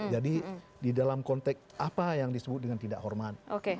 jadi di dalam konteks apa yang disebut dengan tidak hormat